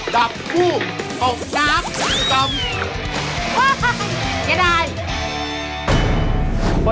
ดับคู่กล่องนับ